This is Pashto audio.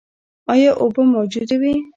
ایا اوبه موجودې وې؟